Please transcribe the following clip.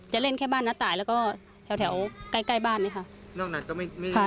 จะเล่นแค่บ้านน้าตายแล้วก็แถวแถวใกล้ใกล้บ้านเลยค่ะนอกนั้นก็ไม่ไม่ใช่